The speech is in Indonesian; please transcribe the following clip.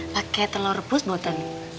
pakai telur rebus bau tani